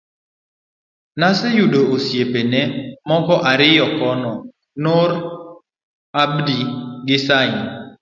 Noseyudo osiepene moko ariyo kono, Noor Abdi gi Singh